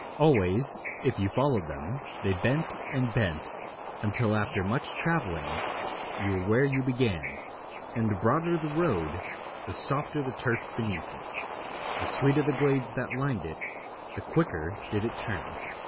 Always, if you followed them, they bent and bent until after much travelling you were where you began; and the broader the road, the softer the turf beneath it; the sweeter the glades that lined it, the quicker did it turn.